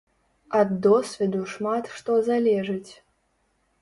Ад досведу шмат што залежыць.